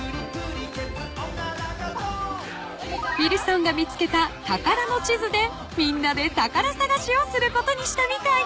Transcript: ［ウィルソンが見つけたたからの地図でみんなでたからさがしをすることにしたみたい］